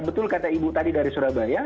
betul kata ibu tadi dari surabaya